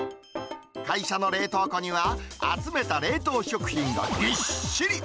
会社の冷凍庫には、集めた冷凍食品がぎっしり！